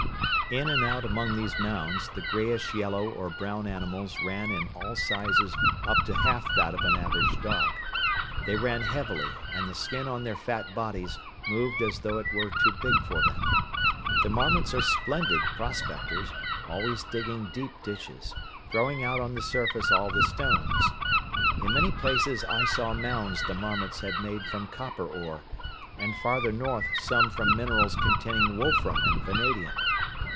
In and out among these mounds the greyish yellow or brown animals ran in all sizes up to half that of an average dog. They ran heavily and the skin on their fat bodies moved as though it were too big for them. The marmots are splendid prospectors, always digging deep ditches, throwing out on the surface all the stones. In many places I saw mounds the marmots had made from copper ore and farther north some from minerals containing wolfram and vanadium.